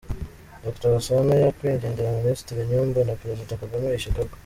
Dr Gasana, Nyakwigendera Ministre Inyumba na Perezida Kagame i Chicago